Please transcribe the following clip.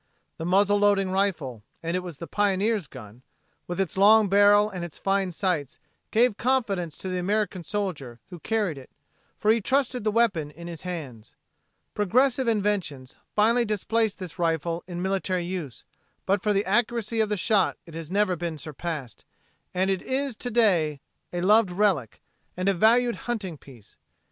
The muzzle loading rifle and it was the pioneer's gun with its long barrel and its fine sights, gave confidence to the American soldier who carried it, for he trusted the weapon in his hands. Progressive inventions finally displaced this rifle in military use, but for the accuracy of the shot it has never been surpassed, and it is to day a loved relic and a valued hunting piece.